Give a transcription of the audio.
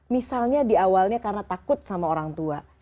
misalnya di awalnya karena takut sama orang tua